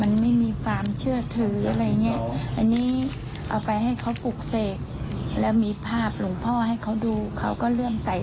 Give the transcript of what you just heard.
นี่ครับสวยงาม